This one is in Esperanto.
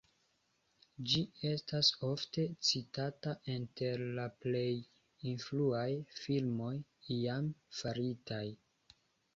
Ĝi estas ofte citata inter la plej influaj filmoj iame faritaj.